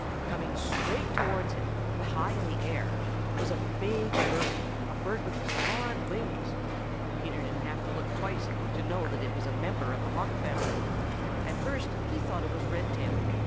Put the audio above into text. Coming straight towards him, but high in the air, was a big bird, a bird with broad wings. Peter didn't have to look twice to know that it was a member of the Hawk family. At first he thought it was Redtail.